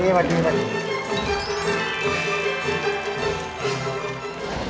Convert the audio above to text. สวัสดี